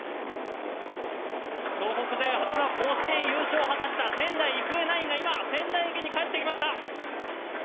東北勢初の甲子園優勝を果たした仙台育英ナインが今仙台駅に帰ってきました。